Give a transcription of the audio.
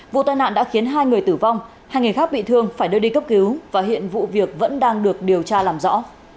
vụ tai nạn đã khiến hai người tử vong hai người khác bị thương phải đưa đi cấp cứu và hiện vụ việc vẫn đang được điều tra làm rõ